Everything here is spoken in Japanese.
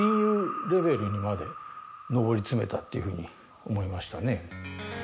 レベルにまで上り詰めたっていうふうに思いましたね。